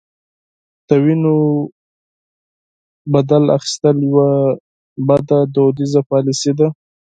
د وینو بدل اخیستل یوه بده دودیزه پالیسي ده.